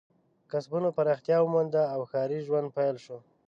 کسبونه پراختیا ومونده او ښاري ژوند پیل شو.